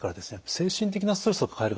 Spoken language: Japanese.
精神的なストレスを抱える方